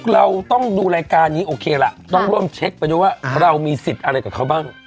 เราต้องดูรายการนี้โอเคล่ะต้องร่วมเช็คไปด้วยว่าเรามีสิทธิ์อะไรกับเขาบ้าง